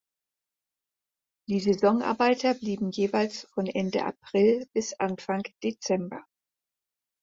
Die Saisonarbeiter blieben jeweils von Ende April bis Anfang Dezember.